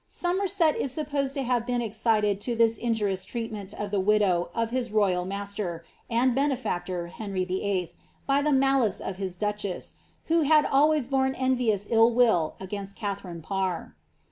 Somerset is supposed to have beeu excited to this injurious treatment of the widow of his royal mas ter, and benefactor, Henry VIII., by the malice of his duchess, who had always borne envious ill will against Katharine Parr.